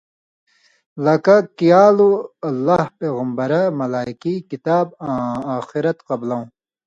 لَک: کیالو اللہ، پیغمبرہۡ، ملائکی، کتابہۡ آں آخِرت قبلؤں